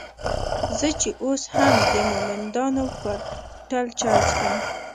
زه چې اوس هم د مومندانو پر هوټل چای څکم.